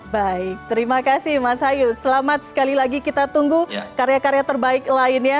baik terima kasih mas hayu selamat sekali lagi kita tunggu karya karya terbaik lainnya